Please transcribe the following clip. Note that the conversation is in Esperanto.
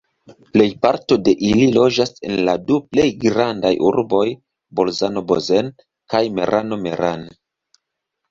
Plejparto de ili loĝas en la du plej grandaj urboj Bolzano-Bozen kaj Merano-Meran.